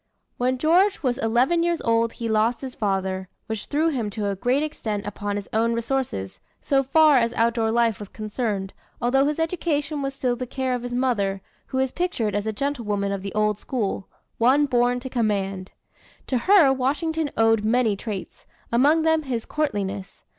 When George was eleven years old he lost his father, which threw him to a great extent upon his own resources, so far as outdoor life was concerned, although his education was still the care of his mother, who is pictured as a gentlewoman of the old school one born to command. To her Washington owed many traits, among them his courtliness.